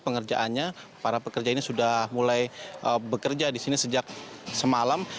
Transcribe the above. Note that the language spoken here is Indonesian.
pengerjaannya para pekerja ini sudah mulai bekerja di sini sejak semalam